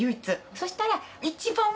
そしたら。